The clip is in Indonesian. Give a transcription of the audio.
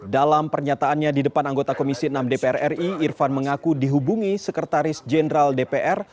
dalam pernyataannya di depan anggota komisi enam dpr ri irvan mengaku dihubungi sekretaris jenderal dpr